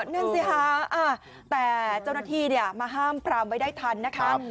นั่นสิค่ะแต่เจ้าหน้าที่มาห้ามปรามไว้ได้ทันนะคะ